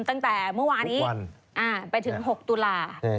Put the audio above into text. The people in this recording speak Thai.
ตั้งแต่เมื่อวานอีกอ่าไปถึง๖ตุลาห์